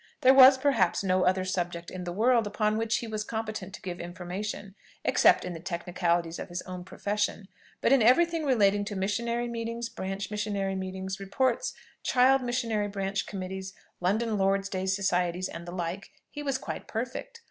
There was, perhaps, no other subject in the world upon which he was competent to give information (except in the technicalities of his own profession); but in every thing relating to missionary meetings, branch missionary meetings' reports, child's missionary branch committees, London Lord's day's societies, and the like, he was quite perfect.